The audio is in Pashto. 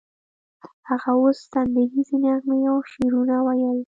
هغه اوس سندریزې نغمې او شعرونه ویل